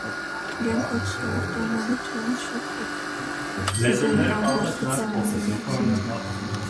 Gauntlett served an internship at Sydenham Hospital in New York City.